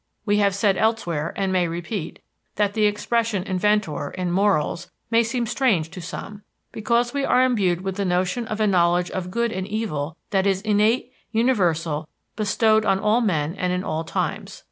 We have said elsewhere, and may repeat, that the expression inventor in morals may seem strange to some, because we are imbued with the notion of a knowledge of good and evil that is innate, universal, bestowed on all men and in all times.